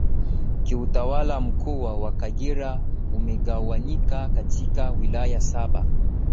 Kiutawala Mkoa wa Kagera umegawanyika katika Wilaya Saba